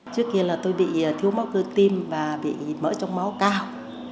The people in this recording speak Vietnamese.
trước kia là tôi bị thiếu máu cơ tim và bị mỡ trong máu cao